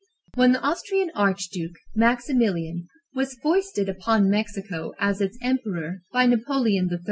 When the Austrian archduke, Maximilian, was foisted upon Mexico as its emperor by Napoleon III.